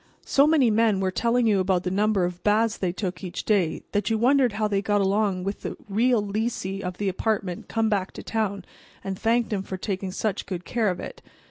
So many men were telling you about the number of baths they took each day that you wondered how they got along after the real lessee of the apartment came back to town and thanked 'em for taking such good care of it.